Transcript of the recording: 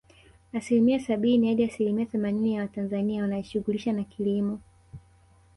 Asilimia sabini hadi asilimia themanini ya watanzania wanajishughulisha na kilimo